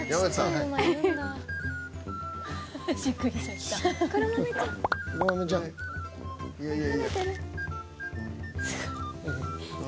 はい。